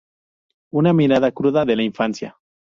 Una mirada cruda de la infancia.